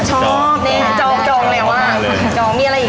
นี่จองแล้วค่ะ